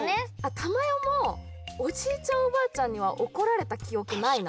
たまよもおじいちゃんおばあちゃんにはおこられたきおくないな。